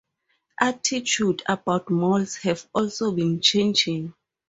Attitudes about malls have also been changing.